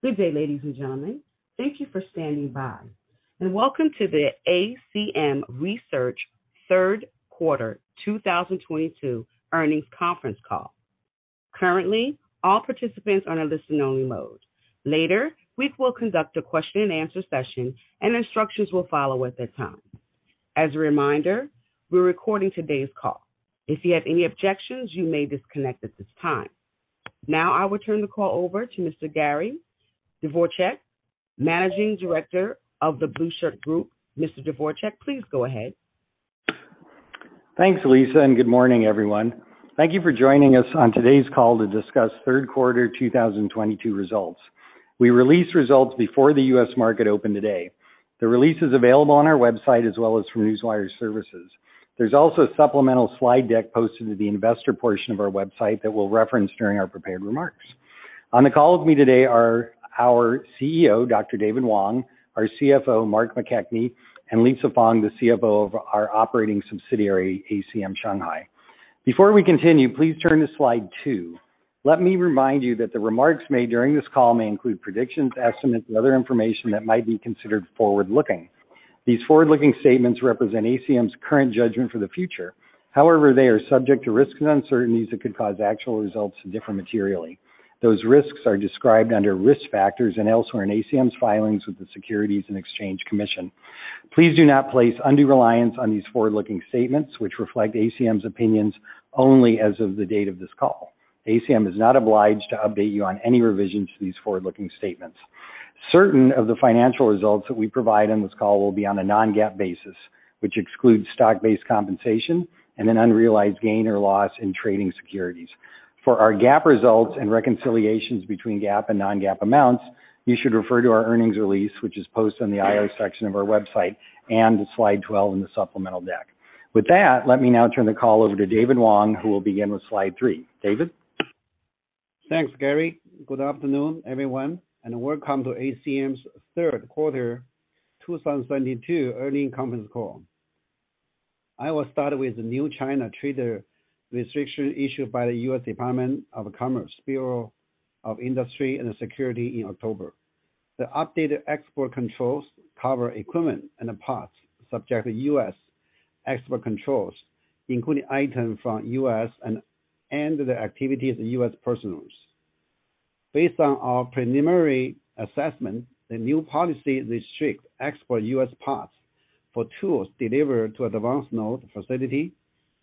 Good day, ladies and gentlemen. Thank you for standing by, and welcome to the ACM Research third quarter 2022 earnings conference call. Currently, all participants are in a listen only mode. Later, we will conduct a question and answer session, and instructions will follow at that time. As a reminder, we're recording today's call. If you have any objections, you may disconnect at this time. Now I will turn the call over to Mr. Gary Dvorchak, Managing Director of The Blueshirt Group. Mr. Dvorchak, please go ahead. Thanks, Lisa, and good morning, everyone. Thank you for joining us on today's call to discuss third quarter 2022 results. We released results before the U.S. market opened today. The release is available on our website as well as from newswire services. There's also a supplemental slide deck posted to the investor portion of our website that we'll reference during our prepared remarks. On the call with me today are our CEO, Dr. David Wang, our CFO, Mark McKechnie, and Lisa Feng, the CFO of our operating subsidiary, ACM Shanghai. Before we continue, please turn to slide two. Let me remind you that the remarks made during this call may include predictions, estimates, and other information that might be considered forward-looking. These forward-looking statements represent ACM's current judgment for the future. However, they are subject to risks and uncertainties that could cause actual results to differ materially. Those risks are described under Risk Factors and elsewhere in ACM's filings with the Securities and Exchange Commission. Please do not place undue reliance on these forward-looking statements, which reflect ACM's opinions only as of the date of this call. ACM is not obliged to update you on any revisions to these forward-looking statements. Certain of the financial results that we provide on this call will be on a non-GAAP basis, which excludes stock-based compensation and an unrealized gain or loss in trading securities. For our GAAP results and reconciliations between GAAP and non-GAAP amounts, you should refer to our earnings release, which is posted on the IR section of our website and slide 12 in the supplemental deck. With that, let me now turn the call over to David Wang, who will begin with slide three. David? Thanks, Gary. Good afternoon, everyone, and welcome to ACM's third quarter 2022 earnings conference call. I will start with the new China trade restriction issued by the U.S. Department of Commerce, Bureau of Industry and Security in October. The updated export controls cover equipment and parts subject to U.S. export controls, including items from U.S. and the activities of U.S. persons. Based on our preliminary assessment, the new policy restricts export U.S. parts for tools delivered to advanced node facility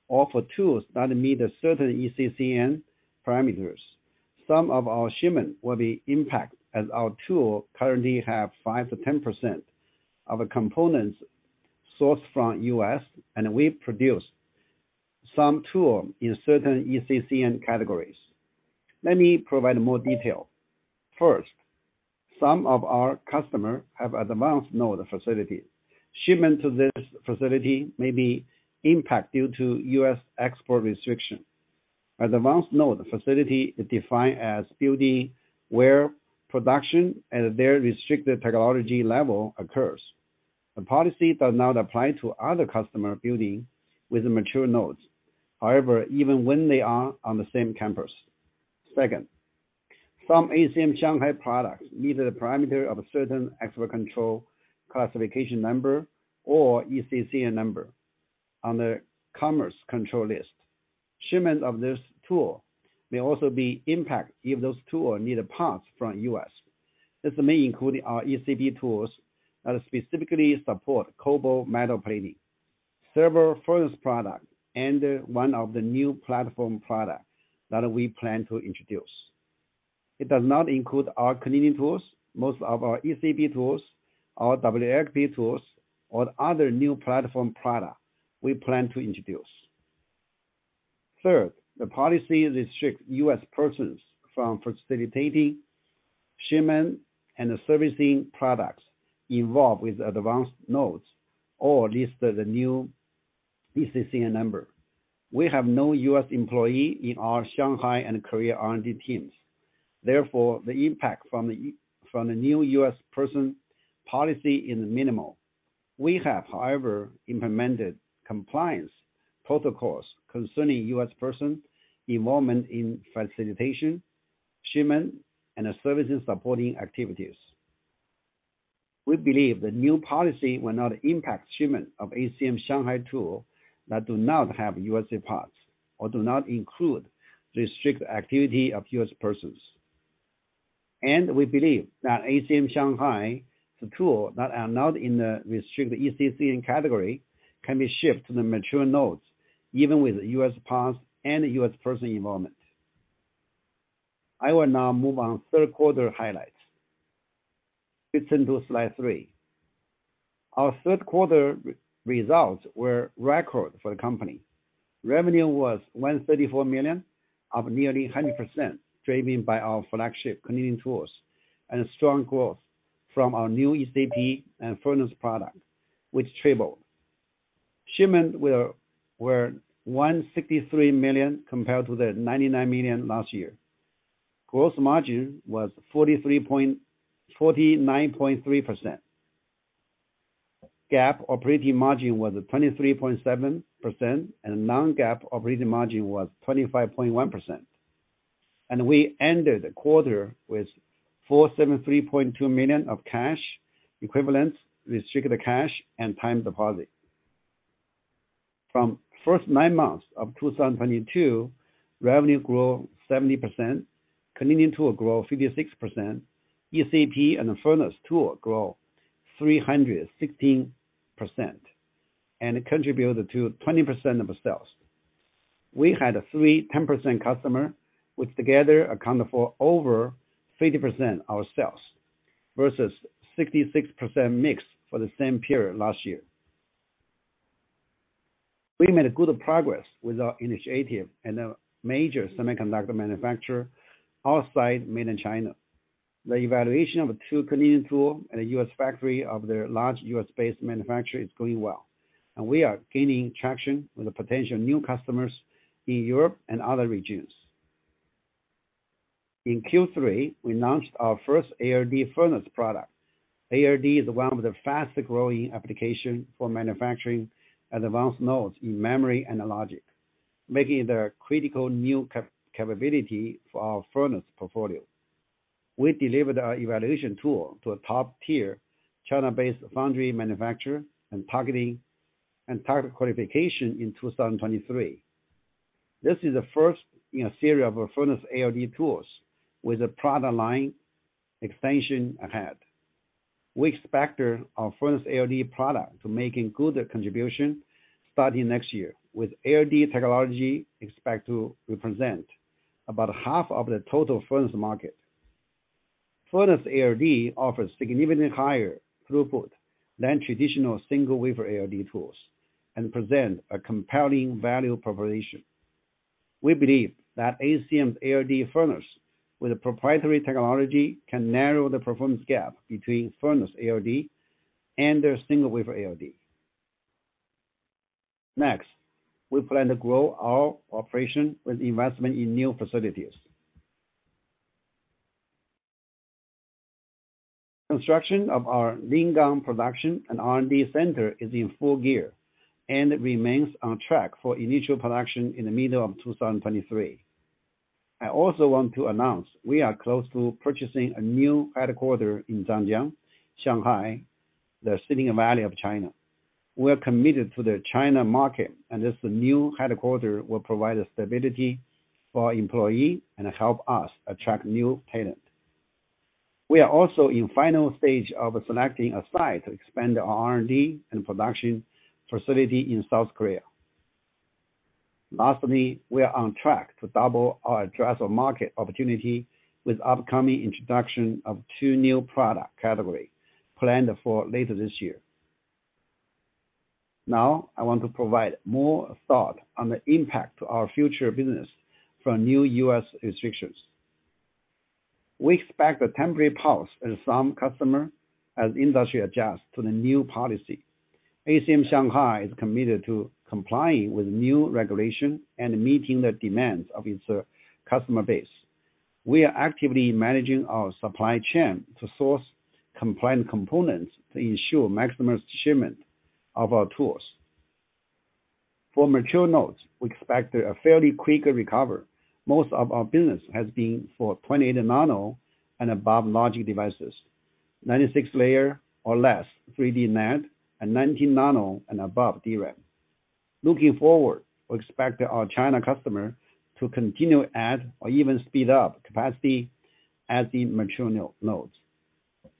or for tools that meet certain ECCN parameters. Some of our shipments will be impacted as our tools currently have 5%-10% of the components sourced from U.S., and we produce some tools in certain ECCN categories. Let me provide more detail. First, some of our customers have advanced node facilities. Shipment to this facility may be impacted due to U.S. export restrictions. Advanced node facility is defined as building where production at their restricted technology level occurs. The policy does not apply to other customer buildings with mature nodes. However, even when they are on the same campus. Second, some ACM Shanghai products meet the parameter of a certain export control classification number or ECCN number on the Commerce Control List. Shipment of this tool may also be impacted if those tools need parts from U.S. This may include our ECP tools that specifically support cobalt metal plating, several furnace products, and one of the new platform products that we plan to introduce. It does not include our cleaning tools, most of our ECP tools, our WLP tools or other new platform products we plan to introduce. Third, the policy restricts U.S. persons from facilitating shipment and servicing products involved with advanced nodes or listed as new ECCN number. We have no U.S. employee in our Shanghai and Korea R&D teams. Therefore, the impact from the new U.S. person policy is minimal. We have, however, implemented compliance protocols concerning U.S. person involvement in facilitation, shipment, and services supporting activities. We believe the new policy will not impact shipment of ACM Shanghai tools that do not have U.S. parts or do not include restricted activity of U.S. persons. We believe that ACM Shanghai tools that are not in the restricted ECCN category can be shipped to the mature nodes, even with U.S. parts and U.S. person involvement. I will now move on third quarter highlights. Please turn to slide three. Our third quarter results were record for the company. Revenue was $134 million, up nearly 100%, driven by our flagship cleaning tools and strong growth from our new ECP and furnace products, which tripled. Shipments were $163 million compared to the $99 million last year. Gross margin was 49.3%. GAAP operating margin was 23.7%, and non-GAAP operating margin was 25.1%. We ended the quarter with $473.2 million of cash equivalents, restricted cash, and time deposit. For the first nine months of 2022, revenue grew 70%, cleaning tool grew 56%, ECP and furnace tool grew 316%, and contributed to 20% of sales. We had three 10% customers, which together accounted for over 50% of sales versus 66% mix for the same period last year. We made good progress with our initiative and a major semiconductor manufacturer outside mainland China. The evaluation of two cleaning tools in a U.S. factory of a large U.S.-based manufacturer is going well, and we are gaining traction with the potential new customers in Europe and other regions. In Q3, we launched our first ALD furnace product. ALD is one of the fastest-growing applications for manufacturing advanced nodes in memory and logic, making it a critical new capability for our furnace portfolio. We delivered our evaluation tool to a top-tier China-based foundry manufacturer and target qualification in 2023. This is the first in a series of furnace ALD tools with a product line expansion ahead. We expect our furnace ALD product to make good contribution starting next year, with ALD technology expected to represent about half of the total furnace market. Furnace ALD offers significantly higher throughput than traditional single wafer ALD tools and presents a compelling value proposition. We believe that ACM's ALD furnace with a proprietary technology can narrow the performance gap between furnace ALD and their single-wafer ALD. Next, we plan to grow our operation with investment in new facilities. Construction of our Lingang production and R&D center is in full gear, and remains on track for initial production in the middle of 2023. I also want to announce we are close to purchasing a new headquarters in Zhangjiang, Shanghai, the Silicon Valley of China. We are committed to the China market, and this new headquarters will provide stability for our employees and help us attract new talent. We are also in final stage of selecting a site to expand our R&D and production facility in South Korea. Lastly, we are on track to double our addressable market opportunity with upcoming introduction of two new product categories planned for later this year. I want to provide more thought on the impact to our future business from new U.S. restrictions. We expect a temporary pause as some customers and industry adjust to the new policy. ACM Shanghai is committed to complying with new regulation and meeting the demands of its customer base. We are actively managing our supply chain to source compliant components to ensure maximum shipment of our tools. For mature nodes, we expect a fairly quicker recovery. Most of our business has been for 28nm and above logic devices, 96-layer or less 3D NAND, and 19nm and above DRAM. Looking forward, we expect our China customers to continue to add or even speed up capacity as in mature nodes.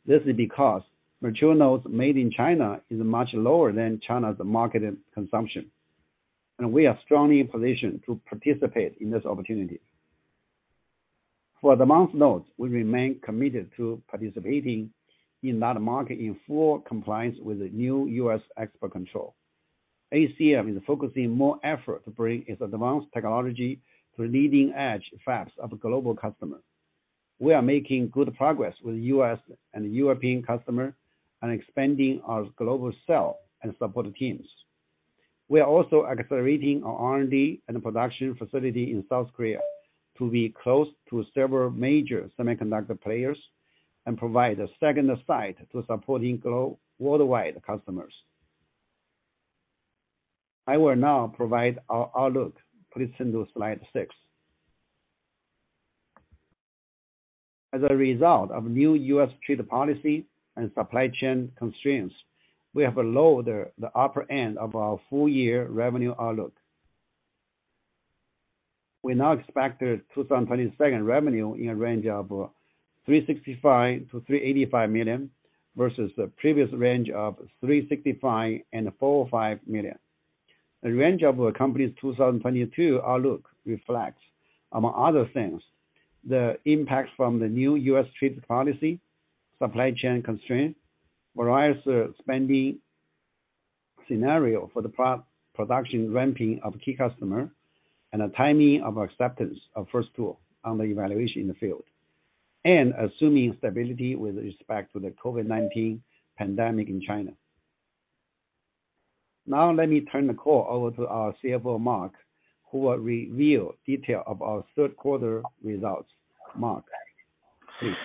This is because mature nodes made in China is much lower than China's market and consumption, and we are strongly positioned to participate in this opportunity. For advanced nodes, we remain committed to participating in that market in full compliance with the new U.S. export control. ACM is focusing more effort to bring its advanced technology to leading-edge fabs of global customers. We are making good progress with U.S. and European customers and expanding our global sales and support teams. We are also accelerating our R&D and production facility in South Korea to be close to several major semiconductor players and provide a second site to support worldwide customers. I will now provide our outlook. Please turn to slide six. As a result of new U.S. trade policy and supply chain constraints, we have lowered the upper end of our full year revenue outlook. We now expect 2022 revenue in a range of $365 million-$385 million, versus the previous range of $365 million-$405 million. The range of our company's 2022 outlook reflects, among other things, the impacts from the new U.S. trade policy, supply chain constraints, various spending scenario for the pre-production ramping of key customer, and the timing of acceptance of first tool on the evaluation in the field, and assuming stability with respect to the COVID-19 pandemic in China. Now let me turn the call over to our CFO, Mark, who will reveal details of our third quarter results. Mark, please.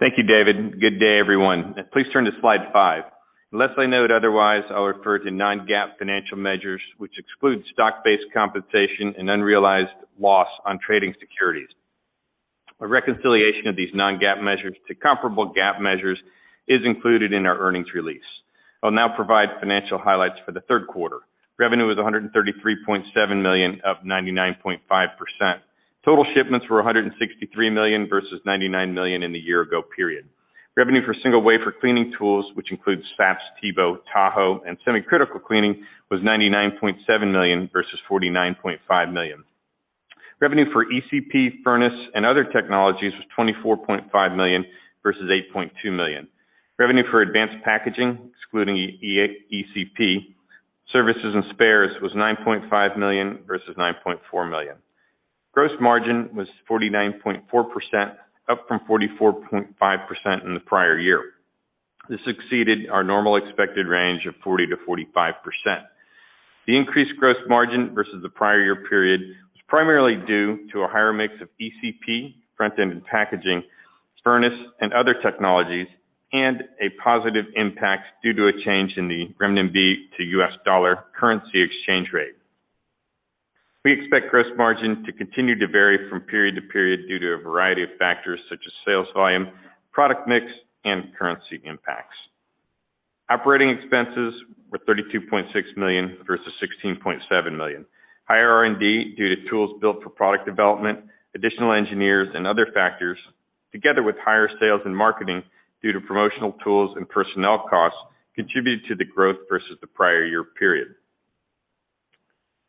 Thank you, David. Good day, everyone. Please turn to slide five. Unless I note otherwise, I'll refer to non-GAAP financial measures, which exclude stock-based compensation and unrealized loss on trading securities. A reconciliation of these non-GAAP measures to comparable GAAP measures is included in our earnings release. I'll now provide financial highlights for the third quarter. Revenue was $133.7 million, up 99.5%. Total shipments were $163 million versus $99 million in the year ago period. Revenue for single wafer cleaning tools, which includes SAPS, TEBO, Tahoe, and semi-critical cleaning, was $99.7 million versus $49.5 million. Revenue for ECP, furnace, and other technologies was $24.5 million versus $8.2 million. Revenue for advanced packaging, excluding ECP, services and spares was $9.5 million versus $9.4 million. Gross margin was 49.4%, up from 44.5% in the prior year. This exceeded our normal expected range of 40%-45%. The increased gross margin versus the prior year period was primarily due to a higher mix of ECP, front-end and packaging, furnace and other technologies, and a positive impact due to a change in the renminbi to U.S. dollar currency exchange rate. We expect gross margin to continue to vary from period to period due to a variety of factors such as sales volume, product mix, and currency impacts. Operating expenses were $32.6 million versus $16.7 million. Higher R&D due to tools built for product development, additional engineers and other factors, together with higher sales and marketing due to promotional tools and personnel costs, contributed to the growth versus the prior year period.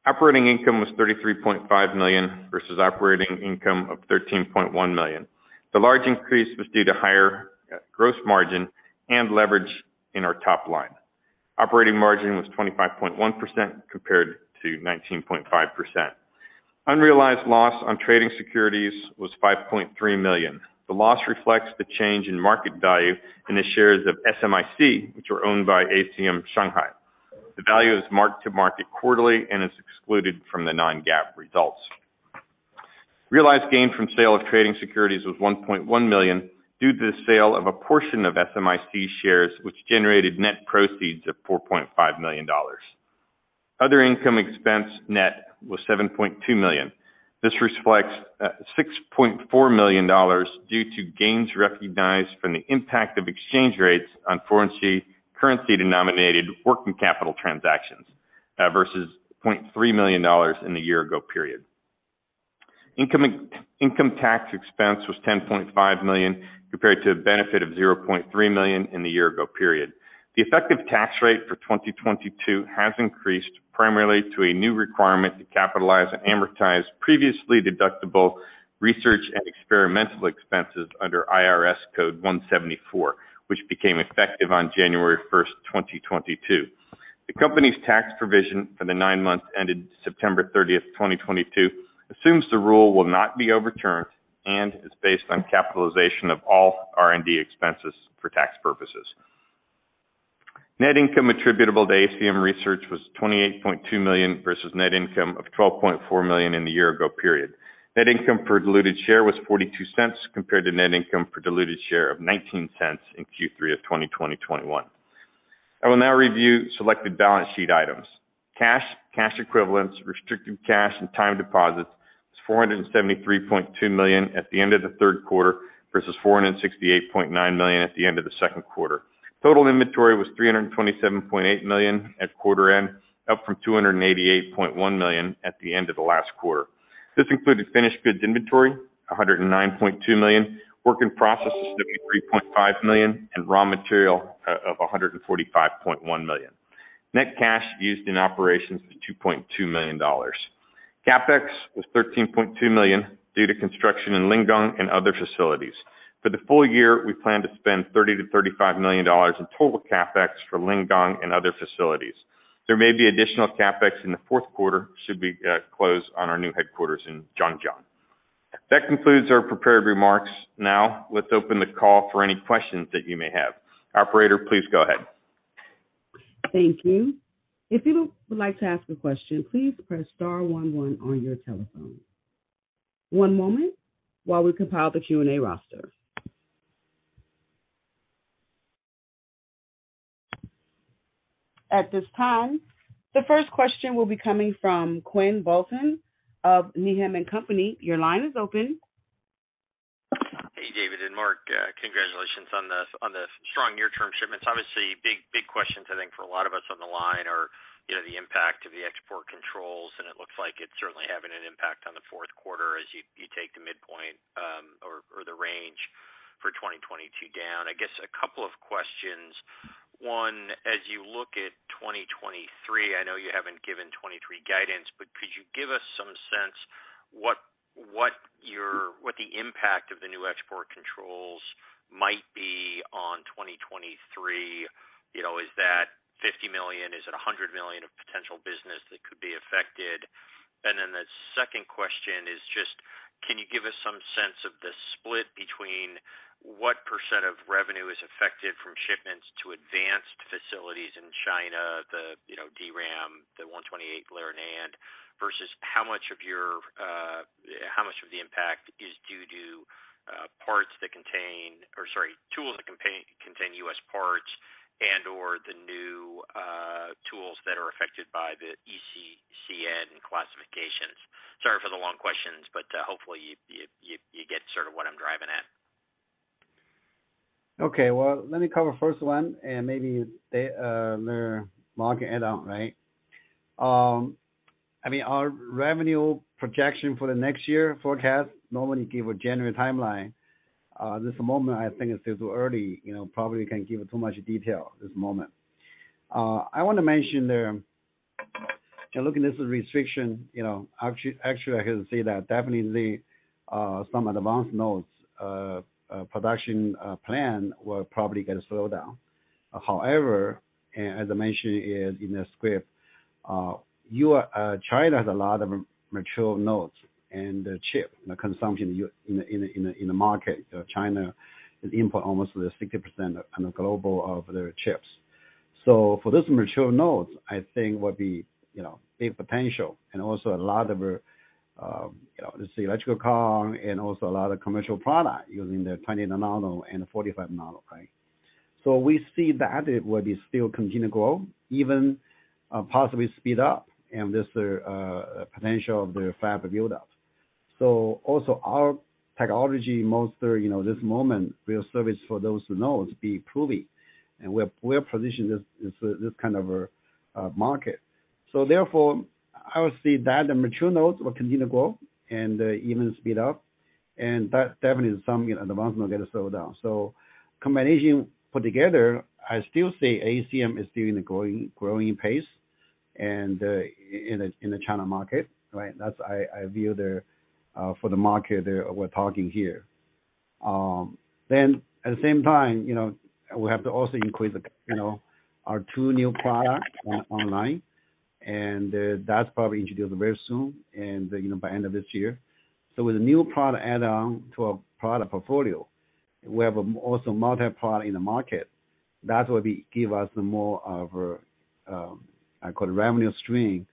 Operating income was $33.5 million versus operating income of $13.1 million. The large increase was due to higher gross margin and leverage in our top line. Operating margin was 25.1% compared to 19.5%. Unrealized loss on trading securities was $5.3 million. The loss reflects the change in market value in the shares of SMIC, which are owned by ACM Shanghai. The value is marked to market quarterly and is excluded from the non-GAAP results. Realized gain from sale of trading securities was $1.1 million due to the sale of a portion of SMIC shares, which generated net proceeds of $4.5 million. Other income expense net was $7.2 million. This reflects $6.4 million due to gains recognized from the impact of exchange rates on foreign currency denominated working capital transactions, versus $0.3 million in the year ago period. Income tax expense was $10.5 million, compared to a benefit of $0.3 million in the year ago period. The effective tax rate for 2022 has increased primarily to a new requirement to capitalize and amortize previously deductible research and experimental expenses under IRS Code Section 174, which became effective on January 1st, 2022. The company's tax provision for the nine months ended September 30th, 2022 assumes the rule will not be overturned and is based on capitalization of all R&D expenses for tax purposes. Net income attributable to ACM Research was $28.2 million versus net income of $12.4 million in the year ago period. Net income per diluted share was $0.42 compared to net income per diluted share of $0.19 in Q3 of 2021. I will now review selected balance sheet items. Cash, cash equivalents, restricted cash and time deposits was $473.2 million at the end of the third quarter versus $468.9 million at the end of the second quarter. Total inventory was $327.8 million at quarter end, up from $288.1 million at the end of the last quarter. This included finished goods inventory, $109.2 million, work in process, $73.5 million, and raw material of $145.1 million. Net cash used in operations was $2.2 million. CapEx was $13.2 million due to construction in Lingang and other facilities. For the full year, we plan to spend $30 million-$35 million in total CapEx for Lingang and other facilities. There may be additional CapEx in the fourth quarter should we close on our new headquarters in Zhangjiang. That concludes our prepared remarks. Now, let's open the call for any questions that you may have. Operator, please go ahead. Thank you. If you would like to ask a question, please press star one one on your telephone. One moment while we compile the Q&A roster. At this time, the first question will be coming from Quinn Bolton of Needham & Company. Your line is open. Hey, David and Mark. Congratulations on the strong near-term shipments. Obviously, big questions I think for a lot of us on the line are, you know, the impact of the export controls, and it looks like it's certainly having an impact on the fourth quarter as you take the midpoint or the range for 2022 down. I guess a couple of questions. One, as you look at 2023, I know you haven't given 2023 guidance, but could you give us some sense what the impact of the new export controls might be on 2023? You know, is that $50 million? Is it $100 million of potential business that could be affected? Second question is just, can you give us some sense of the split between what % of revenue is affected from shipments to advanced facilities in China, you know, DRAM, the 128-layer NAND, versus how much of the impact is due to parts that contain or, sorry, tools that contain U.S. parts and/or the new tools that are affected by the ECCN classifications? Sorry for the long questions, but hopefully you get sort of what I'm driving at. Okay. Well, let me cover first one and maybe Mark add on, right? I mean, our revenue projection for the next year forecast normally give a general timeline. This moment I think it's still too early, you know, probably can't give too much detail this moment. I wanna mention there, you know, looking at this restriction, you know, actually I can say that definitely some advanced nodes production plan will probably get slowed down. However, as I mentioned in the script, China has a lot of mature nodes and chips, the consumption in the market. China import almost 60% of the global of their chips. For this mature nodes, I think would be, you know, a potential and also a lot of, you know, this electric car and also a lot of commercial product using the 20nm and 45nm, right? We see that it will be still continue to grow, even, possibly speed up, and this, potential of the fab build up. Also our technology mostly, you know, this moment will service for those nodes be proving, and we're positioned this, this kind of, market. Therefore, I would say that the mature nodes will continue to grow and, even speed up. That definitely some, you know, advanced node get to slow down. Combination put together, I still say ACM is still in a growing pace and, in the China market, right? That's how I view the market we're talking here. Then at the same time, you know, we have to also increase, you know, our two new products online, and that's probably introduced very soon and, you know, by end of this year. With the new product add on to our product portfolio, we have also multiple in the market. That will give us more of a, I call it revenue stream,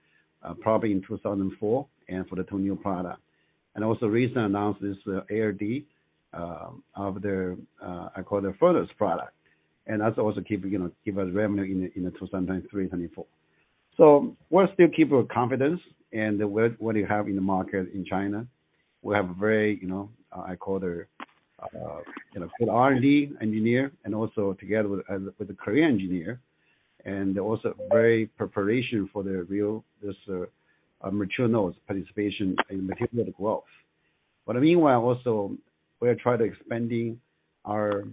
probably in 2024 and for the two new product. Recent announcement is ALD of the first product. That's also keep give us revenue in 2023, 2024. We're still keep confidence in the work we have in the market in China. We have very, you know, I call the good R&D engineer and also together with the Korean engineer and also very preparation for the real, this mature nodes participation in material growth. But meanwhile, also we are trying to expanding our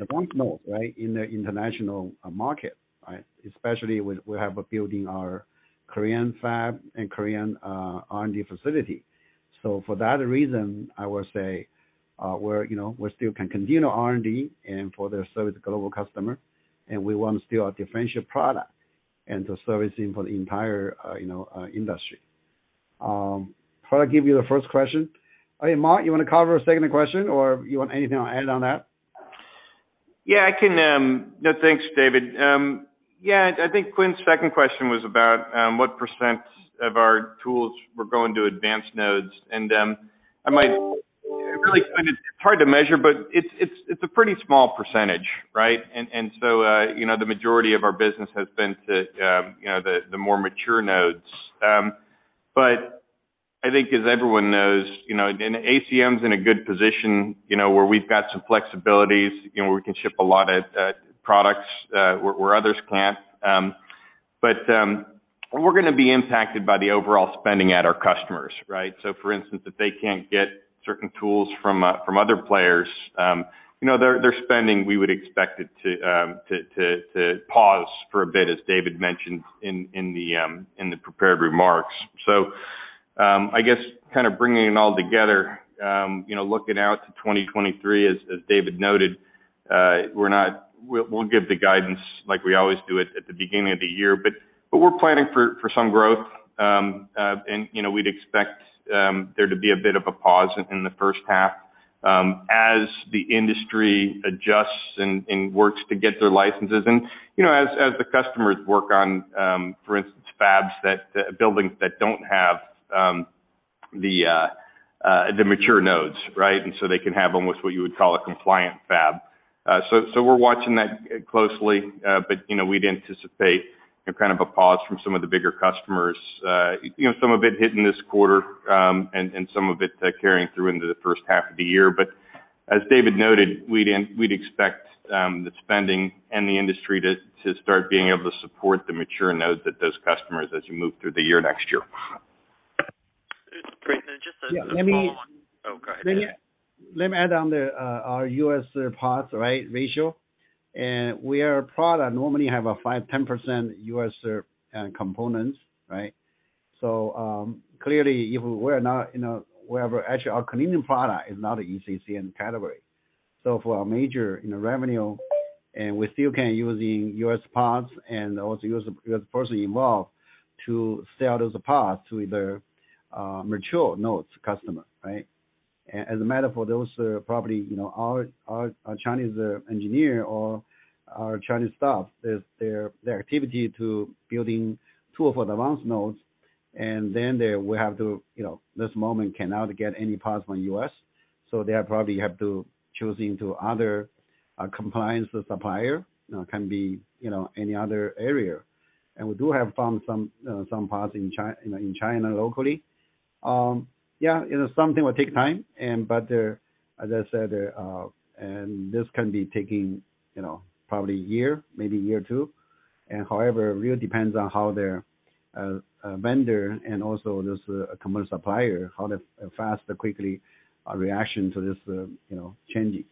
advanced nodes, right? In the international market, right? Especially with we have building our Korean fab and Korean R&D facility. So for that reason, I would say, we're, you know, we still can continue R&D and for the service global customer, and we want to still differentiate product and the servicing for the entire, you know, industry. Hope I give you the first question. Hey, Mark, you want to cover a second question or you want anything to add on that? Yeah, I can. No, thanks, David. Yeah, I think Quinn's second question was about what percent of our tools were going to advanced nodes. It's hard to measure, but it's a pretty small percentage, right? You know, the majority of our business has been to, you know, the more mature nodes. I think as everyone knows, you know, and ACM's in a good position, you know, where we've got some flexibilities, you know, we can ship a lot of products where others can't. We're gonna be impacted by the overall spending at our customers, right? For instance, if they can't get certain tools from other players, you know, their spending, we would expect it to pause for a bit, as David mentioned in the prepared remarks. I guess kind of bringing it all together, you know, looking out to 2023 as David noted, we'll give the guidance like we always do it at the beginning of the year. We're planning for some growth, and, you know, we'd expect there to be a bit of a pause in the first half as the industry adjusts and works to get their licenses, and, you know, as the customers work on, for instance, fabs, buildings that don't have the mature nodes, right? They can have almost what you would call a compliant fab. So we're watching that closely, but, you know, we'd anticipate kind of a pause from some of the bigger customers, you know, some of it hitting this quarter, and some of it carrying through into the first half of the year. As David noted, we'd expect the spending and the industry to start being able to support the mature nodes that those customers as you move through the year next year. Great. Just a small one. Yeah, let me... Oh, go ahead. Let me add on to our U.S. parts ratio. Our product normally have a 5%-10% U.S. components, right? Clearly, if we're not in an ECCN category, we have actually our Canadian product is not an ECCN category. For our major, you know, revenue and we still can using U.S. parts and also use the personnel involved to sell those parts to either mature nodes customer, right? As a matter for those, probably, you know, our Chinese engineer or our Chinese staff, is their activity to building tool for the advanced nodes. Then they will have to, you know, this moment cannot get any parts from U.S., so they probably have to choosing to other compliance with supplier, you know, can be, you know, any other area. We do have found some parts in China locally. You know, something will take time, but as I said, this can be taking, you know, probably a year, maybe a year or two. However, it really depends on how their vendor and also this commercial supplier, how fast or quickly react to this, you know, changing.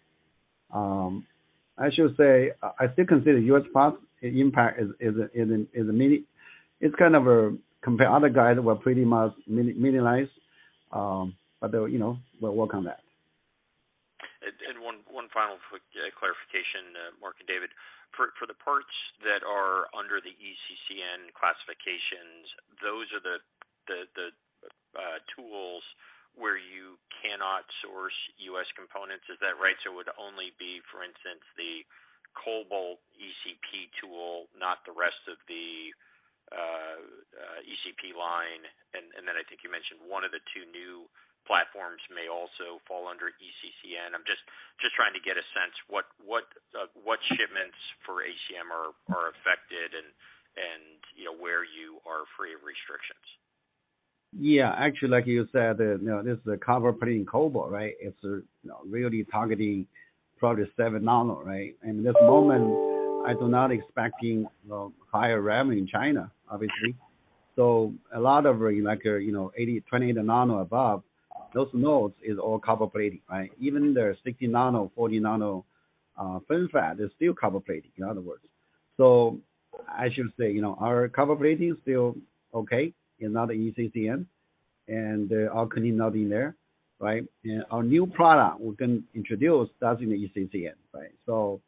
I should say I still consider U.S. parts impact is minimized compared to other guys. We're pretty much minimized. But, you know, we're working on that. One final quick clarification, Mark and David. For the parts that are under the ECCN classifications, those are the tools where you cannot source U.S. components, is that right? So it would only be, for instance, the cobalt ECP tool, not the rest of the ECP line. Then I think you mentioned one of the two new platforms may also fall under ECCN. I'm just trying to get a sense of what shipments for ACM are affected and, you know, where you are free of restrictions. Yeah. Actually, like you said, you know, this is a copper plating cobalt, right? It's, you know, really targeting probably 7nm, right? At this moment I do not expecting, you know, higher revenue in China, obviously. A lot of like, you know, 80nm, 20nm to nodes above those nodes is all copper plating, right? Even the 60nm, 40nm, FinFET is still copper plating, in other words. I should say, you know, our copper plating is still okay, another ECCN and our cleaning not in there, right? Our new product we can introduce that's in the ECCN, right?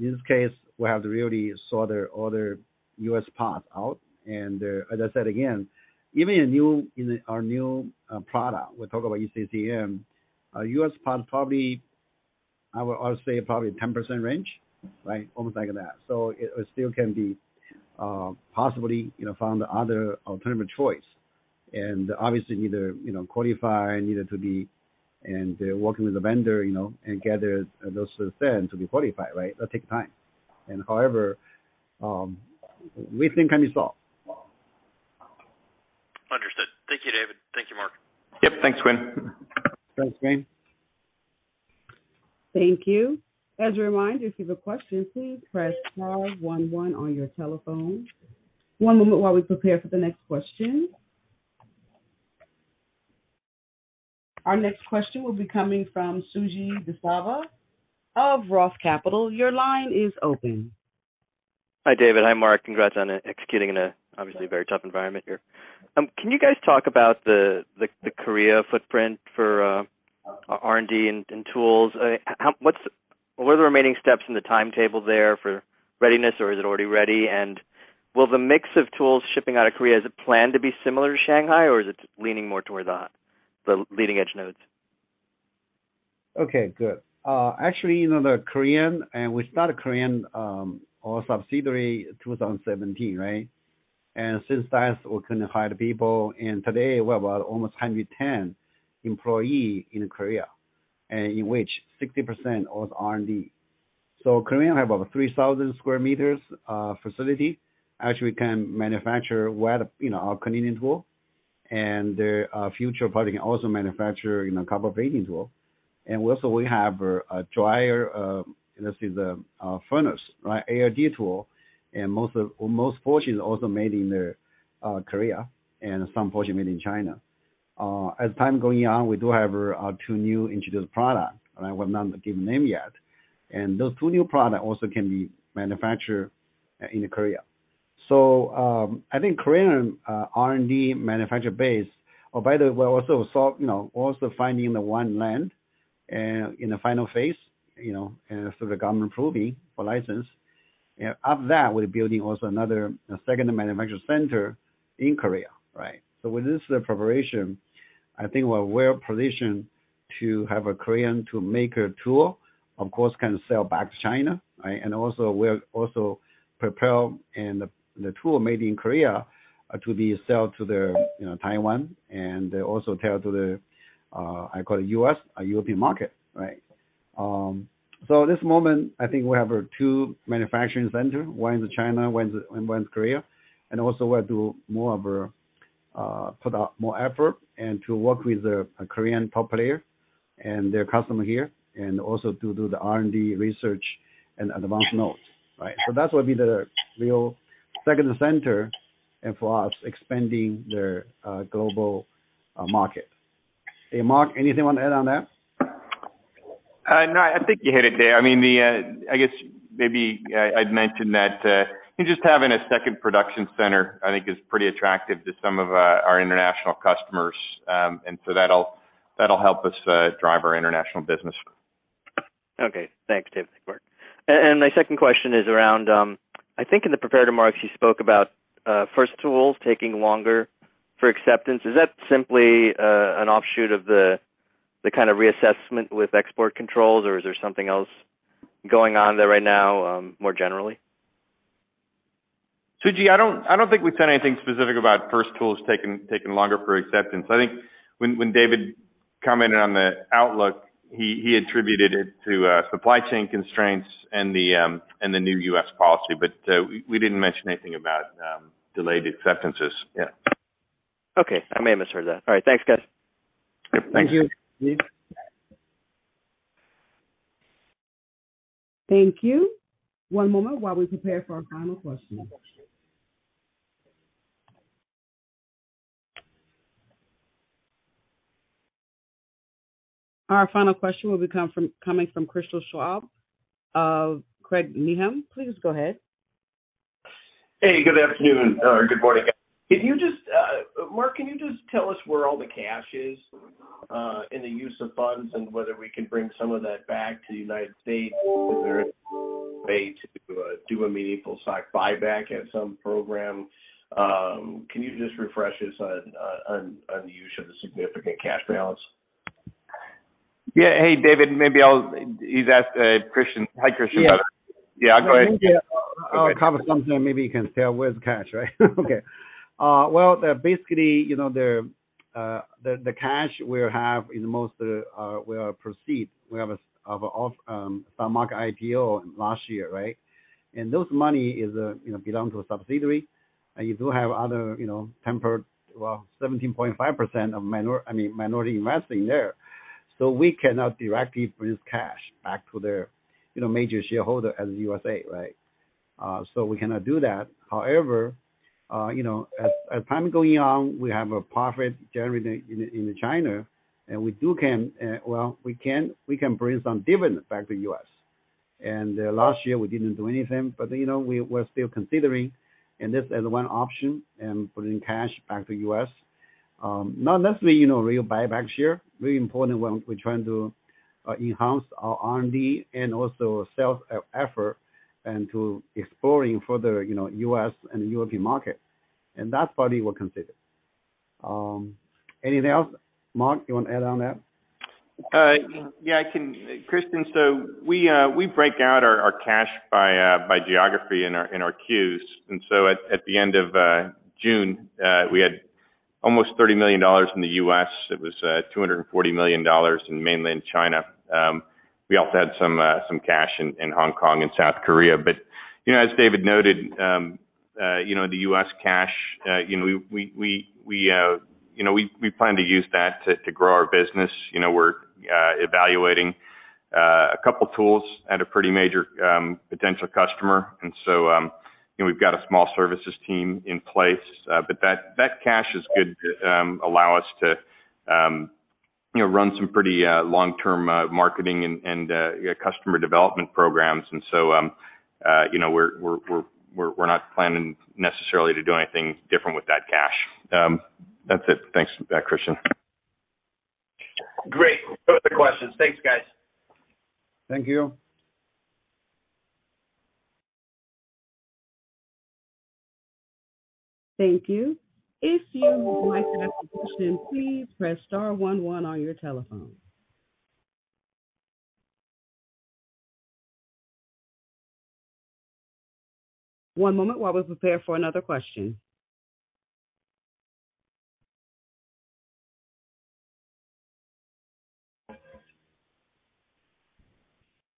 In this case we have to really sort the other U.S. part out. As I said again, even in our new product, we talk about ECCN, our U.S. part probably, I would say 10% range, right? Almost like that. It still can be, possibly, you know, found other alternative choice. Obviously neither, you know, qualify neither to be, and working with the vendor, you know, and gather those things to be qualified, right? That take time. However, we think can be solved. Understood. Thank you, David. Thank you, Mark. Yep. Thanks, Quinn. Thanks, Quinn. Thank you. As a reminder, if you have a question, please press star one one on your telephone. One moment while we prepare for the next question. Our next question will be coming from Suji Desilva of Roth Capital. Your line is open. Hi, David. Hi, Mark. Congrats on executing in an obviously very tough environment here. Can you guys talk about the Korea footprint for R&D and tools? What are the remaining steps in the timetable there for readiness, or is it already ready? Will the mix of tools shipping out of Korea be planned to be similar to Shanghai, or is it leaning more towards the leading edge nodes? Okay, good. Actually, you know, we started Korean our subsidiary 2017, right? Since that we can hire people and today we have about almost 110 employees in Korea, and in which 60% is R&D. Korean has over 3,000 sq m facility. Actually, we can manufacture our cleaning tool and the future product can also manufacture copper plating tool. And also we have a dryer, let's see the furnace, right, ALD tool and most portion is also made in Korea and some portion made in China. As time going on, we do have two new introduced products. All right. We've not given name yet. Those two new products also can be manufactured in Korea. I think Korean R&D manufacturing base or by the way, we're also finding the land in the final phase, you know, the government approval for license. After that, we're building also a second manufacturing center in Korea, right? With this preparation, I think we're well positioned to have a Korean tool maker tool, of course, can sell back to China, right? Also we're also prepared and the tool made in Korea to sell to the, you know, Taiwan and also sell to the U.S. or European market, right? At this moment I think we have two manufacturing centers, one in China, one in Korea. Also, we have to put out more effort and to work with the Korean top player and their customer here and also to do the R&D research and advanced nodes, right? That would be the real second center and for us expanding the global market. Hey, Mark, anything you want to add on that? No, I think you hit it, Dave. I mean, I guess maybe I'd mention that just having a second production center I think is pretty attractive to some of our international customers. That'll help us drive our international business. Okay. Thanks, David. Mark. My second question is around. I think in the prepared remarks you spoke about first tools taking longer for acceptance. Is that simply an offshoot of the kind of reassessment with export controls, or is there something else going on there right now, more generally? Suji, I don't think we've said anything specific about first tools taking longer for acceptance. I think when David commented on the outlook, he attributed it to supply chain constraints and the new U.S. policy. We didn't mention anything about delayed acceptances. Yeah. Okay. I may have misheard that. All right, thanks guys. Thank you. Thank you. One moment while we prepare for our final question. Our final question will be coming from Christian Schwab of Craig-Hallum. Please go ahead. Hey, good afternoon, or good morning. Mark, can you just tell us where all the cash is in the use of funds and whether we can bring some of that back to the United States to do a meaningful stock buyback or some program? Can you just refresh us on the use of the significant cash balance? Yeah. Hey, David. He's asked, Christian. Hi, Christian. Yeah. Yeah, go ahead. I think I'll cover something, maybe you can tell where the cash is, right? Okay. Well, basically, you know, the cash we have is mostly proceeds from the IPO last year, right? Those money belong to a subsidiary. You do have 17.5% minority investment there. We cannot directly bring cash back to the major shareholder in the U.S., right? We cannot do that. However, you know, as time going on, we have a profit generated in China, and we can bring some dividend back to U.S. Last year we didn't do anything but, you know, we're still considering this as one option and putting cash back to U.S., not necessarily, you know, real buy back share. Really important when we're trying to enhance our R&D and also sales effort and to exploring further, you know, U.S. and European market. That's probably we'll consider. Anything else, Mark, you want to add on that? Yeah, I can. Christian, we break out our cash by geography in our Q's. At the end of June, we had almost $30 million in the U.S. It was $240 million in mainland China. We also had some cash in Hong Kong and South Korea. You know, as David noted, you know, the U.S. cash, you know, we plan to use that to grow our business. You know, we're evaluating a couple tools at a pretty major potential customer. We've got a small services team in place, but that cash is good to allow us to, you know, run some pretty long-term marketing and customer development programs. We're not planning necessarily to do anything different with that cash. That's it. Thanks for that, Christian. Great. No other questions. Thanks, guys. Thank you. Thank you. If you would like to ask a question, please press star one one on your telephone. One moment while we prepare for another question.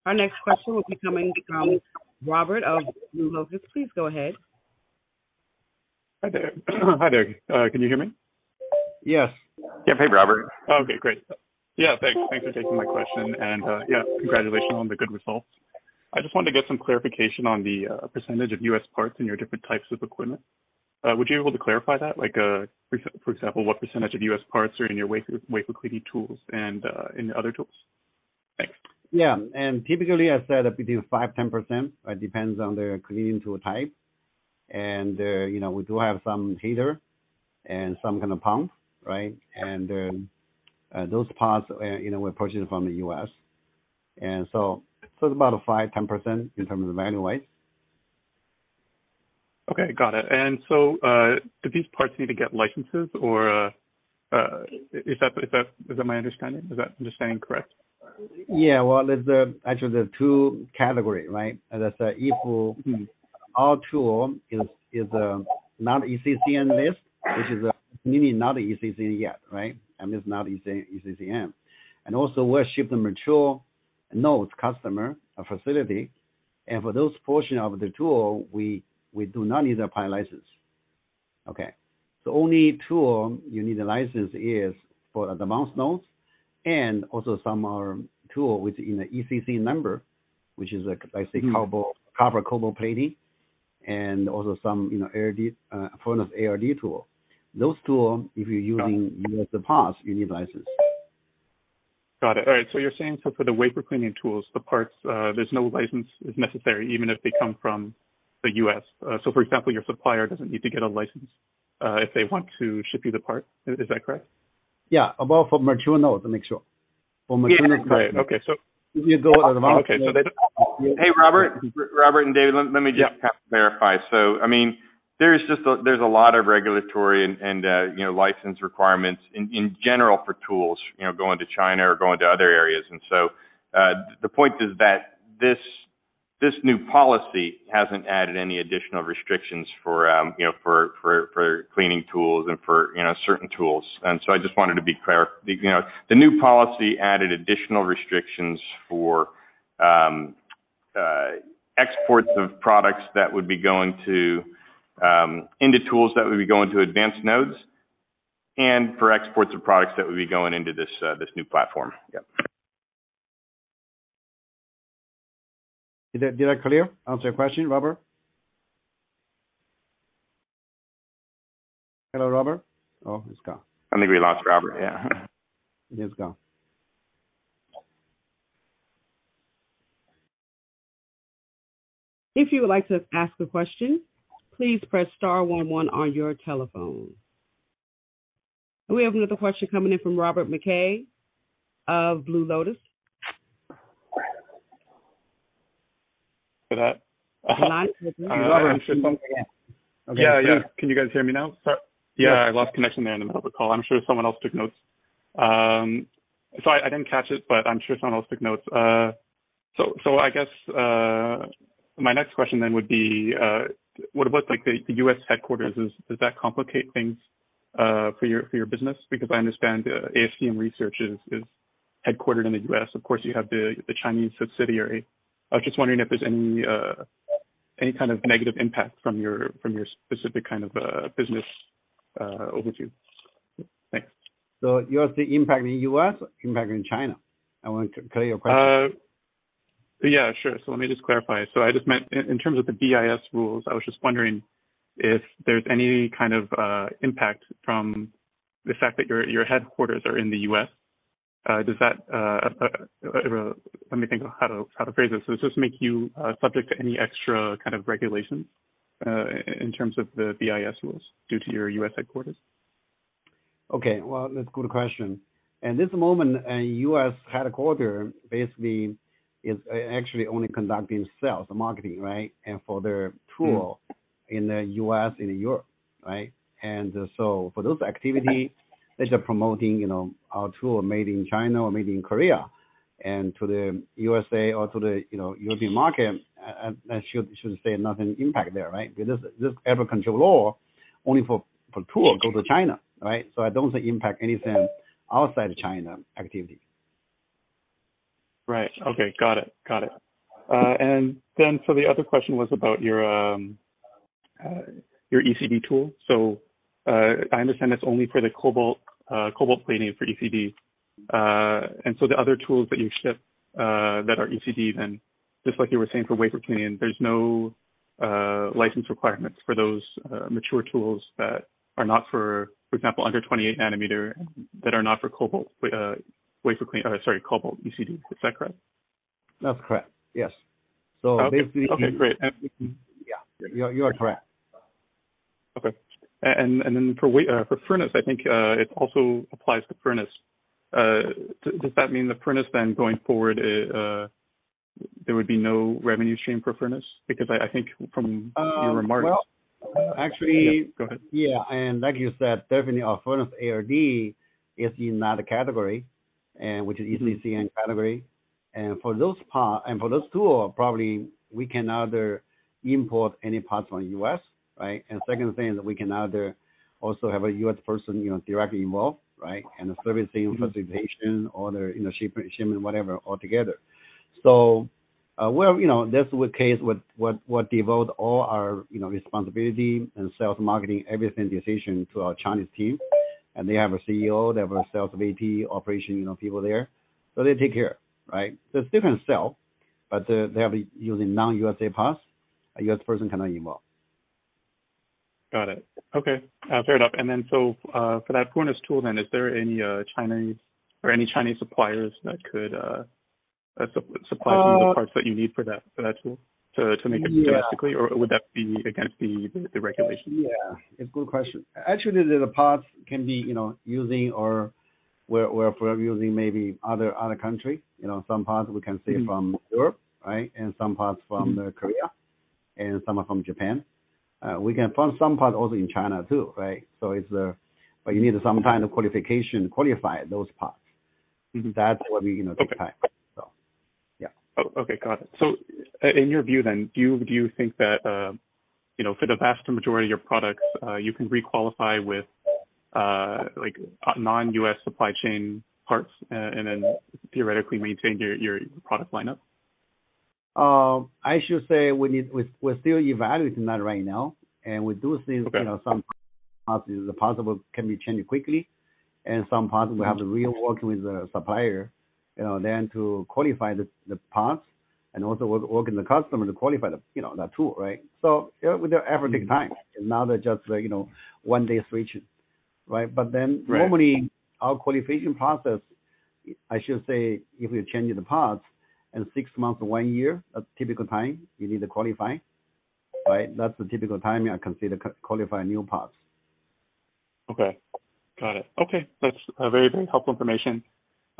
Our next question will be coming from Robert McKay of Blue Lotus. Please go ahead. Hi there. Can you hear me? Yes. Yeah. Hey, Robert. Okay, great. Thanks. Thanks for taking my question. Congratulations on the good results. I just wanted to get some clarification on the percentage of U.S. parts in your different types of equipment. Would you be able to clarify that? Like, for example, what percentage of U.S. parts are in your wafer cleaning tools and in your other tools? Thanks. Typically I said between 5%-10%. It depends on the cleaning tool type. We do have some heater and some kind of pump, right? Those parts, we're purchasing from the U.S. It's about a 5%-10% in terms of value wide. Okay, got it. Do these parts need to get licenses or is that my understanding? Is that understanding correct? Yeah, well, actually there are two category, right? As I said, if our tool is not ECCN list, which is meaning not ECCN yet, right? It's not ECCN. Also, we're shipping mature nodes customer a facility. For those portion of the tool, we do not need a BIS license. Okay. The only tool you need a license is for the mature nodes and also some tool which in the ECCN number, which is, I say, [cobalt plating], and also some, you know, ALD form of ALD tool. Those tool, if you're using U.S. parts, you need licenses. Got it. All right. You're saying for the wafer cleaning tools, the parts, there's no license is necessary even if they come from the U.S. For example, your supplier doesn't need to get a license, if they want to ship you the part. Is that correct? Yeah, above for mature nodes to make sure. Yeah. Right. Okay. You go with. Hey, Robert and David, let me just clarify. I mean, there is just a, there's a lot of regulatory and you know license requirements in general for tools you know going to China or going to other areas. The point is that this new policy hasn't added any additional restrictions for you know for cleaning tools and for you know certain tools. I just wanted to be clear. You know, the new policy added additional restrictions for exports of products that would be going to into tools that would be going to advanced nodes and for exports of products that would be going into this new platform. Yep. Is that clear? Answer your question, Robert. Hello, Robert. Oh, he's gone. I think we lost Robert. Yeah. He is gone. If you would like to ask a question, please press star one one on your telephone. We have another question coming in from Robert McKay of Blue Lotus. For that? The line was open. Yeah. Yeah. Can you guys hear me now? Yeah. Yeah, I lost connection there in the middle of the call. I'm sure someone else took notes. I didn't catch it, but I'm sure someone else took notes. I guess my next question would be what about, like, the U.S. headquarters? Does that complicate things for your business? Because I understand ACM Research is headquartered in the U.S. Of course, you have the Chinese subsidiary. I was just wondering if there's any kind of negative impact from your specific kind of business overview. Thanks. You're saying impact in U.S. or impact in China? I want to clear your question. Yeah, sure. Let me just clarify. I just meant in terms of the BIS rules. I was just wondering if there's any kind of impact from the fact that your headquarters are in the U.S. Does this make you subject to any extra kind of regulations in terms of the BIS rules due to your U.S. headquarters? Okay. Well, that's a good question. At this moment, U.S. headquarters basically is actually only conducting sales and marketing, right? For the tool... In the U.S. and Europe, right? For those activities, they're promoting, you know, our tool made in China or made in Korea and to the U.S. or to the, you know, European market. I should say no impact there, right? Because this export control law only for tool go to China, right? I don't think impact anything outside China activity. Right. Okay. Got it. The other question was about your ECP tool. I understand it's only for the cobalt plating for ECP. The other tools that you ship that are ECP, just like you were saying for wafer cleaning, there's no license requirements for those mature tools that are not for example, under 28nm, that are not for cobalt ECP. Is that correct? That's correct. Yes. Okay. Basically. Okay, great. Yeah. You are correct. Okay. For furnace, I think it also applies to furnace. Does that mean the furnace then going forward there would be no revenue stream for furnace? Because I think from your remarks. Well, actually. Go ahead. Yeah. Like you said, definitely our Furnace ALD is in another category, which is easily seen category. For those tools, probably we can either import any parts from U.S., right? The second thing is we can either also have a U.S. person, you know, directly involved, right? The servicing, installation or the, you know, shipping, whatever, all together. Well, you know, that's the case with what we devote all our, you know, responsibility and sales, marketing, everything decision to our Chinese team. They have a CEO, they have a sales VP, operation, you know, people there. They take care, right? There are different sales, but they're using non-U.S. parts. A U.S. person cannot involve. Got it. Okay. Fair enough. For that furnace tool then, is there any Chinese suppliers that could supply some- Uh- of the parts that you need for that tool to make it... Yeah. Domestically? Or would that be against the regulation? Yeah, it's a good question. Actually, the parts can be, you know, we're using maybe other country. You know, some parts we can source from Europe, right? Some parts from Korea and some are from Japan. We can find some parts also in China too, right? You need some kind of qualification to qualify those parts. Mm-hmm. That's what we, you know, take time. Okay. Yeah. Okay. Got it. In your view then, do you think that, you know, for the vast majority of your products, you can re-qualify with, like, non-U.S. supply chain parts and then theoretically maintain your product lineup? We're still evaluating that right now, and we do things. Okay. You know, some parts is possible, can be changed quickly, and some parts we have to really work with the supplier, you know, then to qualify the parts and also work with the customer to qualify the, you know, that tool, right? So with the everything time, it's not just like, you know, one day switch, right? But then. Right. Normally our qualification process, I should say, if we're changing the parts in six months or one year, a typical time you need to qualify. Right? That's the typical timing I can see to qualify new products. Okay. Got it. Okay. That's very, very helpful information.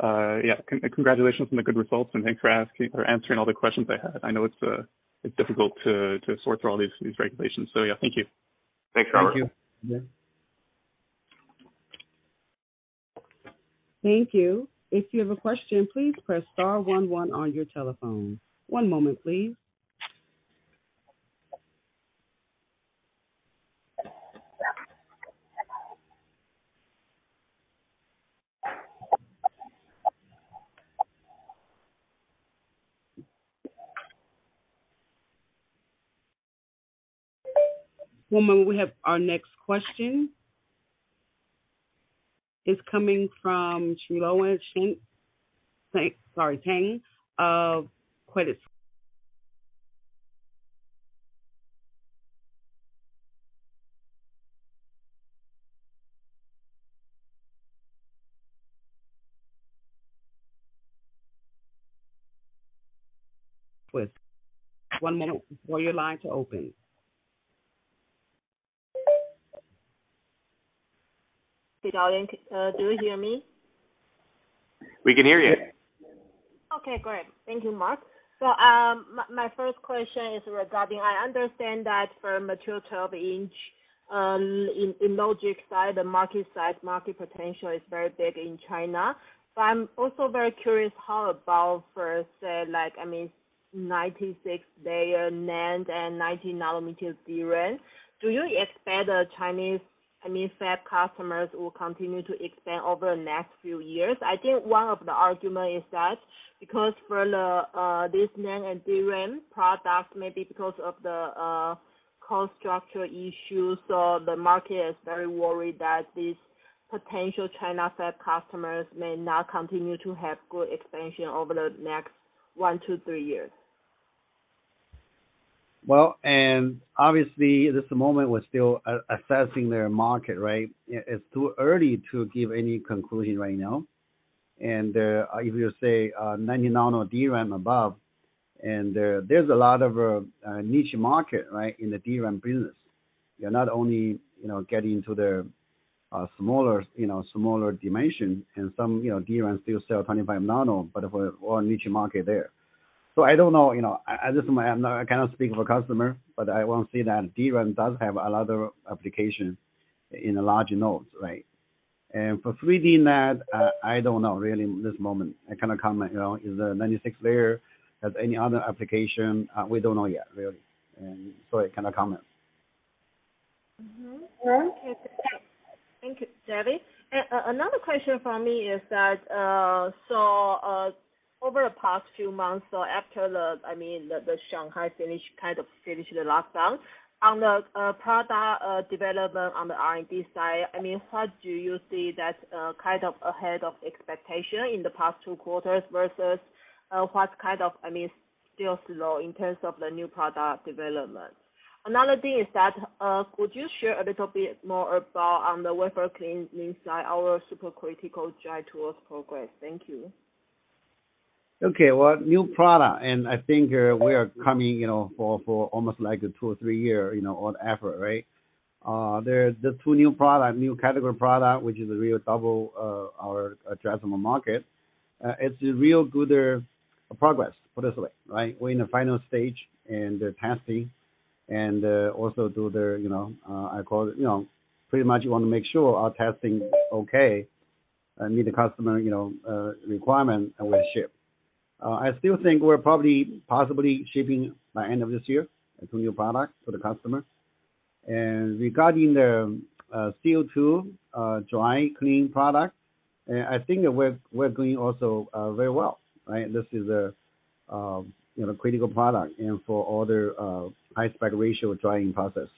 Yeah, congratulations on the good results, and thanks for asking or answering all the questions I had. I know it's difficult to sort through all these regulations. Yeah, thank you. Thanks, Robert. Thank you. Yeah. Thank you. If you have a question, please press star one one on your telephone. One moment, please. One moment, we have our next question. It's coming from. One minute for your line to open. do you hear me? We can hear you. Okay, great. Thank you, Mark. My first question is regarding. I understand that for mature 12-in, in logic side, the market size, market potential is very big in China. But I'm also very curious, how about for say, like, I mean, 96-layer NAND and 90nm DRAM? Do you expect the Chinese, I mean, fab customers will continue to expand over the next few years? I think one of the argument is that because for this NAND and DRAM products, maybe because of the cost structure issues or the market is very worried that these potential China fab customers may not continue to have good expansion over the next one to three years. Well, obviously, this moment we're still assessing their market, right? It's too early to give any conclusion right now. If you say 90nm DRAM above, there's a lot of a niche market, right? In the DRAM business. You're not only getting into the smaller dimension, and some DRAM still sell 25nm, but for all niche market there. I don't know. I just, I'm not. I cannot speak for customer, but I won't say that DRAM does have a lot of application in the larger nodes, right? For 3D NAND, I don't know really this moment. I cannot comment if the 96-layer has any other application, we don't know yet, really. I cannot comment. Okay. Thank you, David. Another question from me is that, so, over the past few months or after the, I mean, the Shanghai finished the lockdown. On the product development on the R&D side, I mean, what do you see that kind of ahead of expectation in the past two quarters versus what kind of still slow in terms of the new product development. Another thing is that, could you share a little bit more about the wafer cleaning in our supercritical dry tools progress? Thank you. Okay. Well, new product, and I think we are coming, you know, for almost like two, three years, you know, on effort, right? There's the two new product, new category product, which is a real double our addressable market. It's a real good progress, put it this way, right? We're in the final stage in the testing, and also do the, you know, I call, you know, pretty much wanna make sure our testing okay, and meet the customer, you know, requirement and we ship. I still think we're probably possibly shipping by end of this year, the two new products to the customer. Regarding the CO2 dry clean product, I think we're doing also very well, right? This is a you know, critical product and for all the high aspect ratio drying process.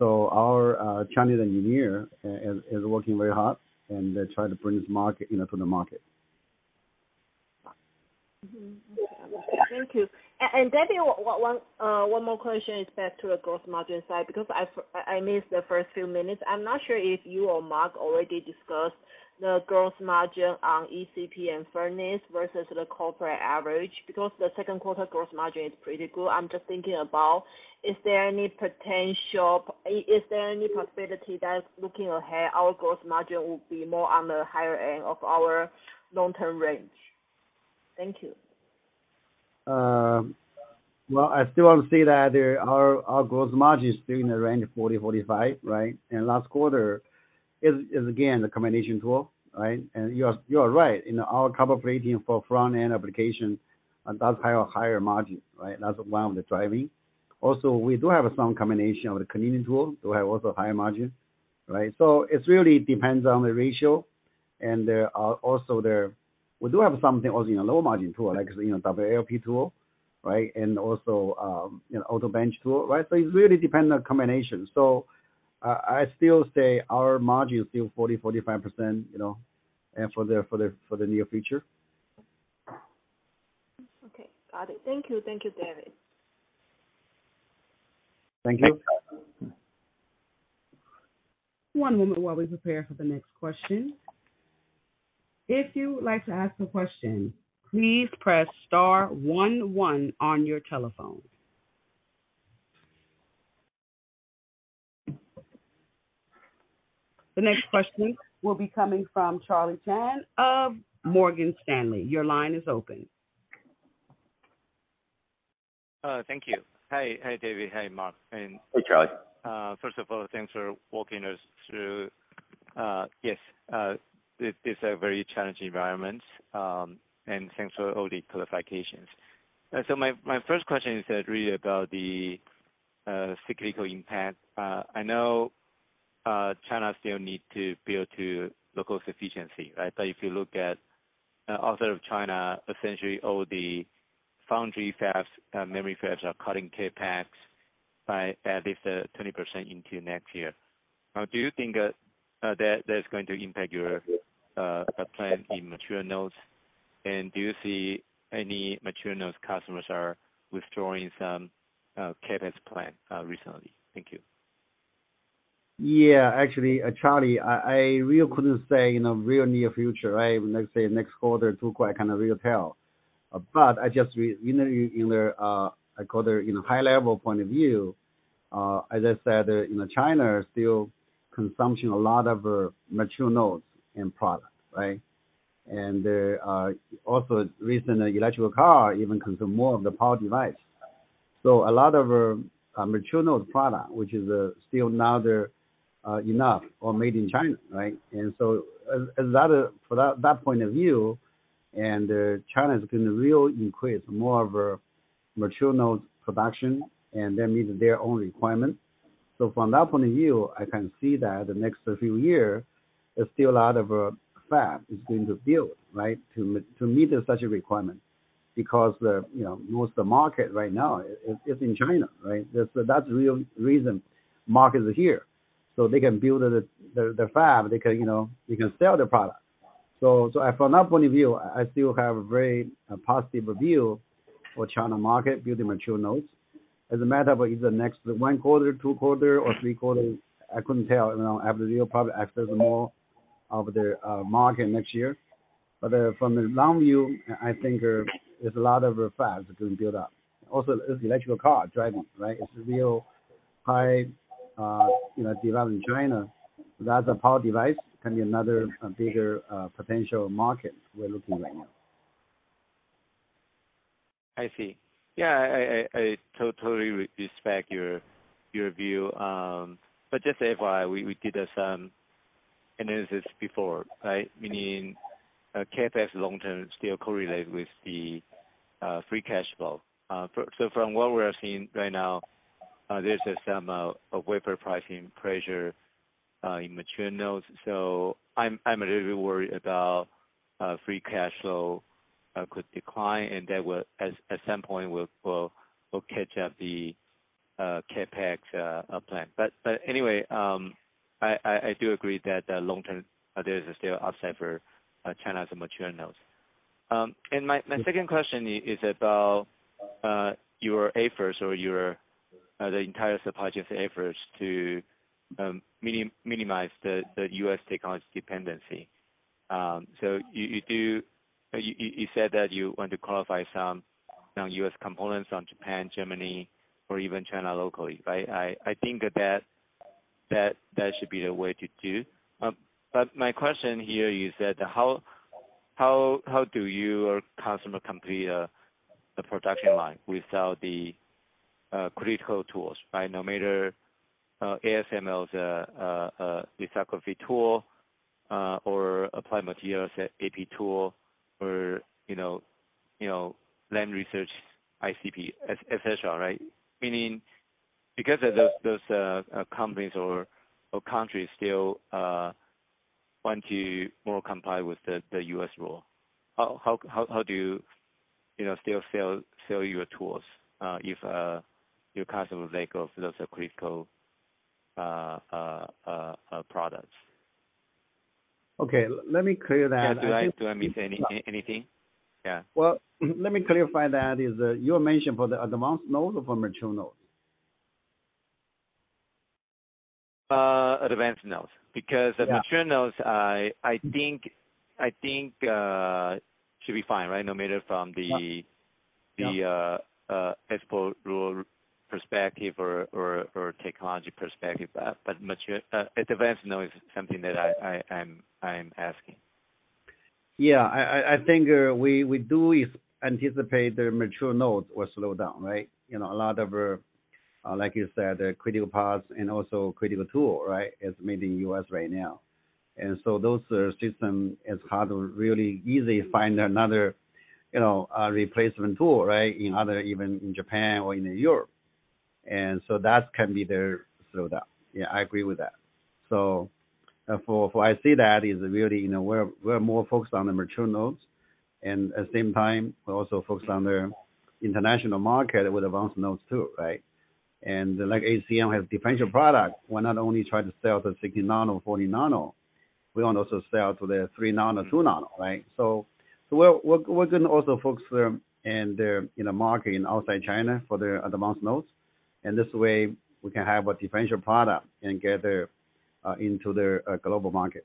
Our Chinese engineer is working very hard and they're trying to bring this to market, you know. Thank you. David, one more question is back to the gross margin side, because I missed the first few minutes. I'm not sure if you or Mark already discussed the gross margin on ECP and furnace versus the corporate average. Because the second quarter gross margin is pretty good, I'm just thinking about, is there any potential? Is there any possibility that looking ahead, our gross margin will be more on the higher end of our long-term range? Thank you. Well, I still want to say that our growth margin is still in the range of 40%-45%, right? Last quarter is again the combination tool, right? You are right. You know, our copper plating for front-end application does have a higher margin, right? That's one of the driving. Also, we do have some combination of the cleaning tool to have also higher margin, right? So it really depends on the ratio. There are also. We do have something also in low margin tool, like, you know, WLP tool, right? Also, you know, auto bench tool, right? So it really depend on combination. I still say our margin is still 40%-45%, you know, for the near future. Okay. Got it. Thank you. Thank you, David. Thank you. One moment while we prepare for the next question. If you would like to ask a question, please press star one one on your telephone. The next question will be coming from Charlie Chan of Morgan Stanley. Your line is open. Thank you. Hi. Hi, David. Hi, Mark. Hey, Charlie. First of all, thanks for walking us through. Yes, it is a very challenging environment, and thanks for all the clarifications. My first question is really about the cyclical impact. I know China still need to build to local sufficiency, right? If you look at out of China, essentially all the foundry fabs, memory fabs are cutting CapEx by at least 20% into next year. Now, do you think that that's going to impact your plan in mature nodes? And do you see any mature nodes customers are withdrawing some CapEx plan recently? Thank you. Yeah. Actually, Charlie, I really couldn't say in a really near future, right? Let's say next quarter, I cannot really tell. I just you know, in the I call the you know high level point of view, as I said, you know, China still consumption a lot of mature nodes and products, right? There are also recent electric car even consume more of the power device. A lot of mature nodes product, which is still not enough or made in China, right? As that, for that that point of view and China's been really increased more of a mature nodes production and that meet their own requirements. From that point of view, I can see that the next few year there's still a lot of fab is going to build, right? To meet such a requirement because, you know, most of the market right now is in China, right? That's the real reason markets are here, so they can build the fab, they can, you know, they can sell the product. From that point of view, I still have a very positive view for China market building mature nodes. As a matter of either next one quarter, two quarter, or three quarter, I couldn't tell, you know, after the year, probably after more of the market next year. From the long view, I think there's a lot of fabs being built up. Also, it's electric car driving, right? It's real high, you know, demand in China. That's a power device, can be another bigger potential market we're looking right now. I see. Yeah, I totally respect your view. Just FYI, we did some analysis before, right? Meaning, CapEx long-term still correlate with the free cash flow. From what we're seeing right now, there's some wafer pricing pressure in mature nodes. I'm a little bit worried about free cash flow could decline and that will at some point catch up to the CapEx plan. Anyway, I do agree that the long-term there is still upside for China's mature nodes. My second question is about your efforts or the entire supply chain's efforts to minimize the U.S. technology dependency. You do... You said that you want to qualify some, you know, U.S. components from Japan, Germany or even China locally. I think that that should be the way to do. My question here is that how do your customer complete the production line without the critical tools, right? No matter ASML's lithography tool or Applied Materials' Epi tool or, you know, Lam Research ICP, etc., right? Meaning because of those companies or countries still want to comply more with the U.S. rule, how do you know, still sell your tools if your customer lack those critical products? Okay. Let me clear that. Yeah. Do I miss anything? Yeah. Well, let me clarify that. As you mentioned for the advanced nodes or for mature nodes? Advanced nodes. Yeah. Because the mature nodes I think should be fine, right? No matter from the... Yeah. The export rule perspective or technology perspective. Mature advanced node is something that I'm asking. Yeah. I think what we do is anticipate the mature nodes will slow down, right? You know, a lot of, like you said, critical paths and also critical tool, right, is made in U.S. right now. Those systems are hard to really easily find another, you know, replacement tool, right, in other, even in Japan or in Europe. That can be the slowdown. Yeah, I agree with that. What I see is that really, you know, we're more focused on the mature nodes and at the same time we're also focused on the international market with advanced nodes too, right? Like ACM has differentiated product. We're not only trying to sell the 60nm, 40nm. We want also sell to the 3nm, 2nm, right? We're gonna also focus in the market outside China for the advanced nodes, and this way we can have a differential product and get into the global market.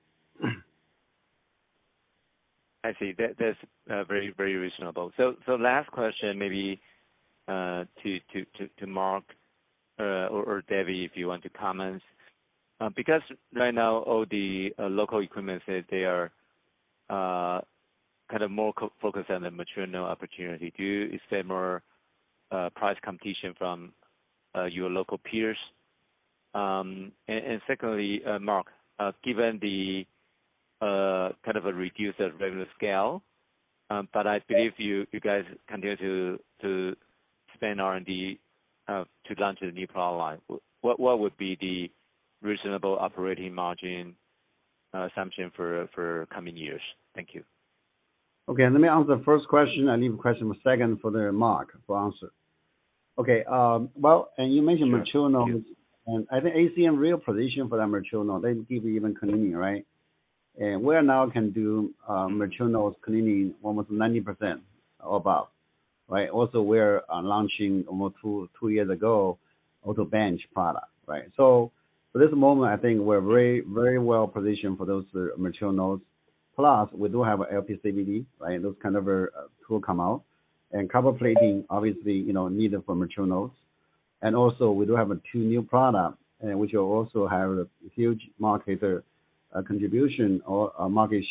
I see. That's very reasonable. Last question maybe to Mark or David, if you want to comment. Because right now all the local equipment suppliers say they are kind of more so focused on the mature node opportunity, do you see more price competition from your local peers? Secondly, Mark, given the kind of a reduced revenue scale, but I believe you guys continue to spend R&D to launch a new product line, what would be the reasonable operating margin assumption for coming years? Thank you. Okay. Let me answer the first question and leave question second for the Mark to answer. Okay. Well, you mentioned. Sure. Mature nodes. Yeah. I think ACM real position for the mature node, they give you even cleaning, right? We are now can do mature nodes cleaning almost 90% or above, right? Also we're launching almost two years ago, auto bench product, right? For this moment, I think we're very, very well positioned for those mature nodes. Plus, we do have a LPCVD, right? Those kind of tool come out. Copper plating, obviously, you know, needed for mature nodes. Also we do have two new product, which will also have a huge market contribution or a market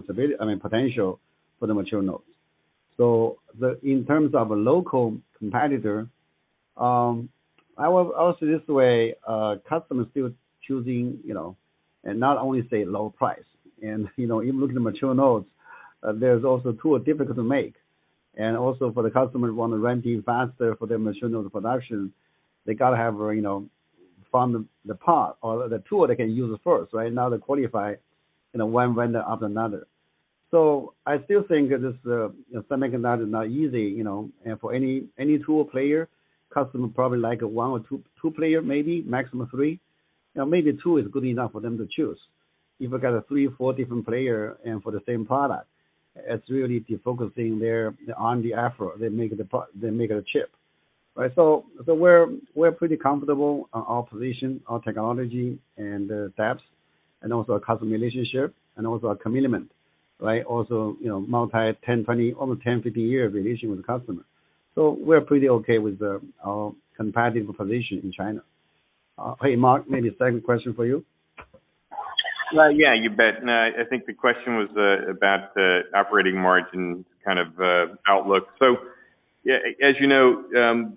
potential for the mature nodes. In terms of a local competitor, I will say this way, customers still choosing, you know, and not only say low price. You know, even looking at mature nodes, there's also tools difficult to make. Also for the customers who want to ramp even faster for their mature node production, they gotta have, you know, found the part or the tool they can use first, right? Now they qualify, you know, one vendor after another. I still think this, you know, semiconductor is not easy, you know. For any tool player, customers probably like one or two players maybe, maximum three. You know, maybe two is good enough for them to choose. If you got three, four different players and for the same product, it's really defocusing their efforts on the effort. They make the chip. Right? We're pretty comfortable on our position, our technology and the depths and also our customer relationship and also our commitment, right? You know, 10-20, over 10, 15-year relationship with the customer. We're pretty okay with our competitive position in China. Hey, Mark, maybe second question for you. Well, yeah, you bet. No, I think the question was about the operating margins kind of outlook. Yeah, as you know,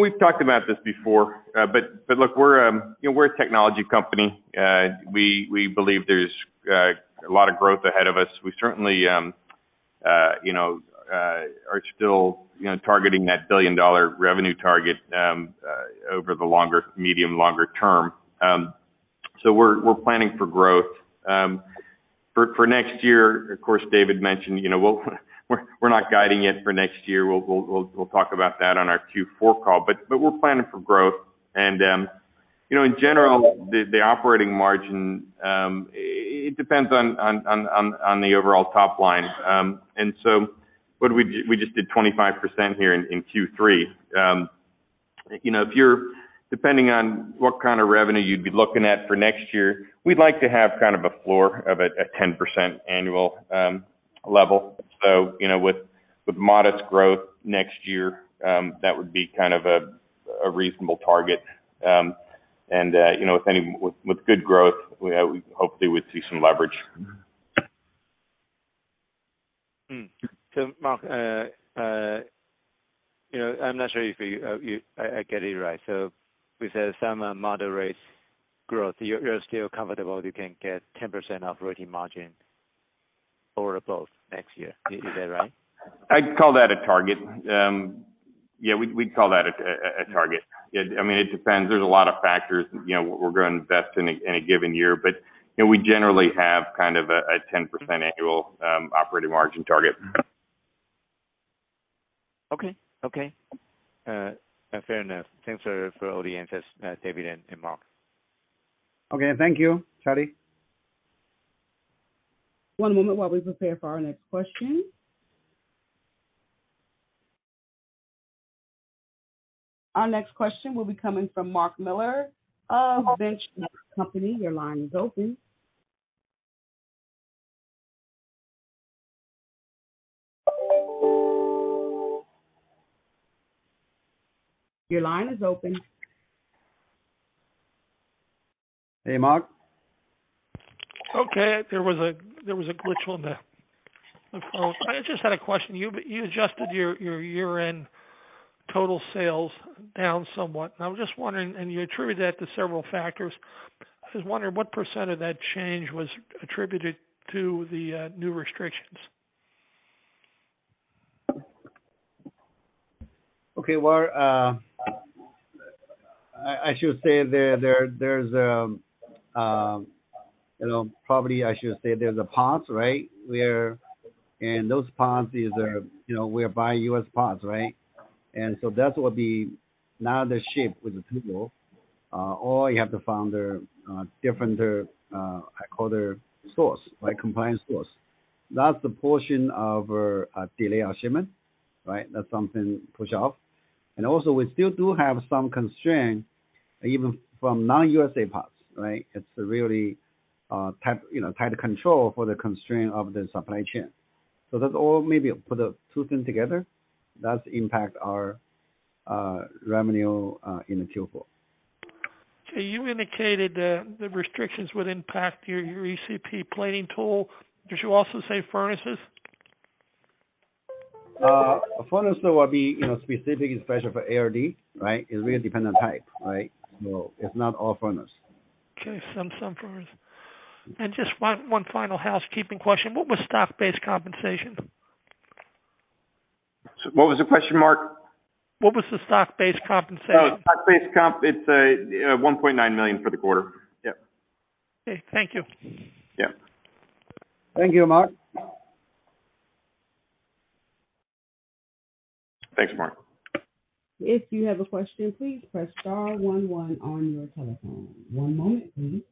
we've talked about this before, but look, you know, we're a technology company. We believe there's a lot of growth ahead of us. We certainly, you know, are still targeting that billion-dollar revenue target over the longer medium, longer term. We're planning for growth. For next year, of course, David mentioned, you know, we're not guiding yet for next year. We'll talk about that on our Q4 call. We're planning for growth. You know, in general, the operating margin, it depends on the overall top line. What we did, we just did 25% here in Q3. You know, if you're, depending on what kind of revenue you'd be looking at for next year, we'd like to have kind of a floor of a 10% annual level. You know, with modest growth next year, that would be kind of a reasonable target. You know, with any, with good growth, we hopefully would see some leverage. Mark, you know, I'm not sure if I get it right. With some moderate growth, you're still comfortable you can get 10% operating margin or above next year. Is that right? I'd call that a target. We'd call that a target. I mean, it depends. There's a lot of factors, you know, we're gonna invest in a given year. You know, we generally have kind of a 10% annual operating margin target. Okay. Fair enough. Thanks for all the insights, David and Mark. Okay. Thank you, Charlie. One moment while we prepare for our next question. Our next question will be coming from Mark Miller of The Benchmark Company. Your line is open. Your line is open. Hey, Mark. Okay. There was a glitch on the phone. I just had a question. You adjusted your year-end total sales down somewhat. I was just wondering, and you attribute that to several factors. I was wondering what pecent of that change was attributed to the new restrictions? Okay. Well, I should say there's a pause, right? You know, probably those parts, we're buying U.S. parts, right? And so that will be now the shipment with the problem, or you have to find a different, I call it source, like compliant source. That's the portion of delay our shipment, right? That's something push off. And also we still do have some constraint even from non-U.S. parts, right? It's really tight, you know, tight control for the constraint of the supply chain. All that maybe put the two things together, that's impact our revenue in Q4. Okay. You indicated, the restrictions would impact your ECP plating tool. Did you also say furnaces? Furnace though will be, you know, specific especially for ALD, right? It's really dependent type, right? It's not all furnace. Okay. Some furnace. Just one final housekeeping question. What was stock-based compensation? What was the question, Mark? What was the stock-based compensation? Oh, stock-based comp. It's $1.9 million for the quarter. Yep. Okay. Thank you. Yep. Thank you, Mark. Thanks, Mark. If you have a question, please press star one one on your telephone. One moment please.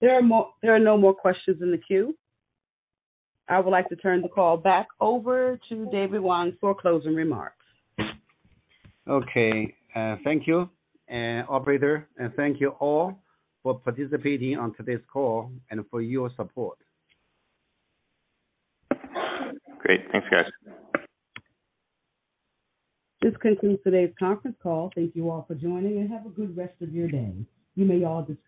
There are no more questions in the queue. I would like to turn the call back over to David Wang for closing remarks. Okay. Thank you, operator, and thank you all for participating on today's call and for your support. Great. Thanks, guys. This concludes today's conference call. Thank you all for joining, and have a good rest of your day. You may all disconnect.